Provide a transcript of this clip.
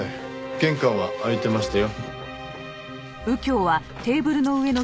玄関は開いてましたよ。